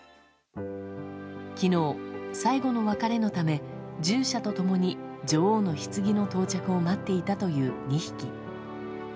昨日、最後の別れのため従者と共に女王のひつぎの到着を待っていたという２匹。